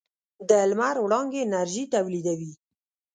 د لمر وړانګې انرژي تولیدوي.